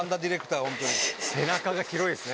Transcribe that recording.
背中が広いっすね。